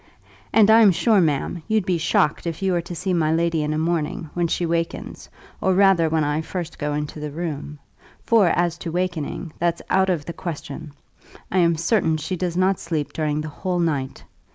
"And I'm sure, ma'am, you'd be shocked if you were to see my lady in a morning, when she wakens, or rather when I first go into the room for, as to wakening, that's out of the question. I am certain she does not sleep during the whole night.